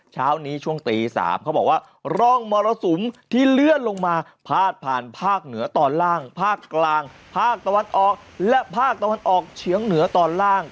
เช้านี้ช่วงตี๓เขาบอกว่าร่องมรสุมที่เลื่อนลงมาพาดผ่านภาคเหนือตอนล่างภาคกลางภาคตะวันออกและภาคตะวันออกเฉียงเหนือตอนล่าง